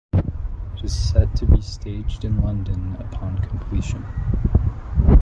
It is set to be staged in London upon completion.